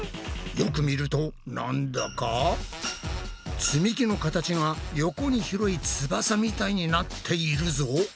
よく見るとなんだか積み木の形が横に広い翼みたいになっているぞ。